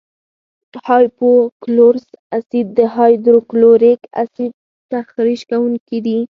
هایپو کلورس اسید او هایدروکلوریک اسید تخریش کوونکي دي.